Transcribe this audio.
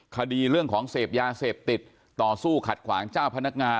คดีเรื่องของเสพยาเสพติดต่อสู้ขัดขวางเจ้าพนักงาน